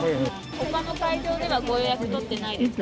ほかの会場ではご予約取ってないですか？